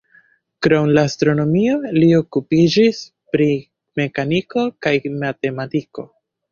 Krom la astronomio li okupiĝis pri mekaniko kaj matematiko.